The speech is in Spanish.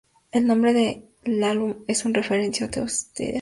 El nombre del álbum es una referencia a "The Outsiders".